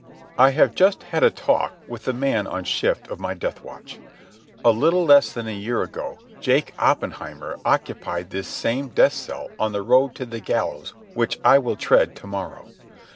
... I have just had a talk with the man on shift of my death watch. A little less than a year ago, Jake Oppenheimer occupied this same death cell on the road to the gallows which I will tread to morrow.